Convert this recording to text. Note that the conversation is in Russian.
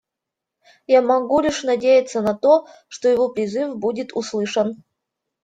Я могу лишь надеяться на то, что его призыв будет услышан.